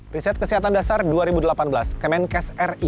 riset kesehatan dasar dua ribu delapan belas kemenkes ri